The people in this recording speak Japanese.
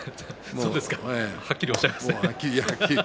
はっきりおっしゃいましたね。